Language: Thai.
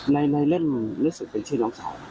ในเรื่องนักศึกเป็นชื่อน้องชาย